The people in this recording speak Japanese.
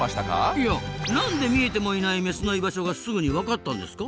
いや何で見えてもいないメスの居場所がすぐに分かったんですか？